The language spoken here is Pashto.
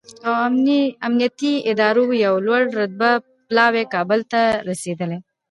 او امنیتي ادارو یو لوړ رتبه پلاوی کابل ته رسېدلی